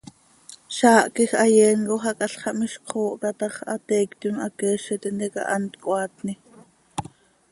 Zaah quij hayeencoj hac halx xah miizj cöxoohca tax ¡hateiictim haqueezi tintica hant cöhaatni!